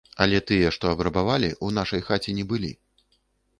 Але тыя, што абрабавалі, у нашай хаце не былі.